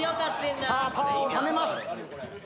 さあパワーをためます。